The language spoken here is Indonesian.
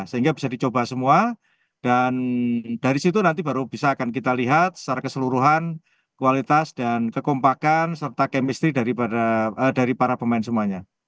sehingga bisa dicoba semua dan dari situ nanti baru bisa akan kita lihat secara keseluruhan kualitas dan kekompakan serta kemistri dari para pemain semuanya